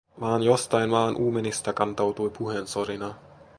Vaan jostain maan uumenista kantautui puheensorina.